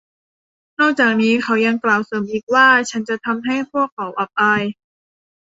นอกจากนี้เขายังกล่าวเสริมอีกว่า ฉันจะทำให้พวกเขาอับอาย